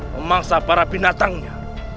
memaksa para binatangnya